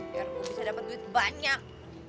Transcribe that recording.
biar gue bisa dapat duit banyak